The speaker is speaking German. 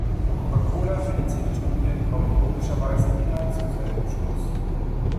Von Coca-Cola finanzierte Studien kommen komischerweise immer zum selben Schluss.